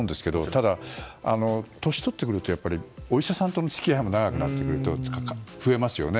ただ、年を取ってくるとお医者さんとの付き合いも増えますよね。